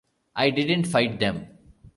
I didn't fight them.